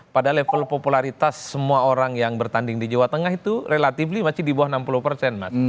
pada level popularitas semua orang yang bertanding di jawa tengah itu relatif masih di bawah enam puluh persen mas